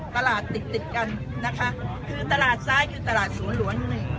ตลาดติดติดกันนะคะคือตลาดซ้ายคือตลาดสวนหลวงหนึ่ง